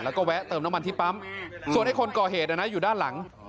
แล้วก็แวะเติมน้ำมันที่ปั๊มส่วนไอ้คนก่อเหตุอยู่ด้านหลัง